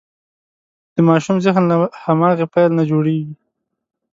د ماشوم ذهن له هماغې پیل نه جوړېږي.